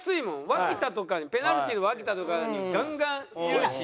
脇田とかにペナルティの脇田とかにガンガン言うし。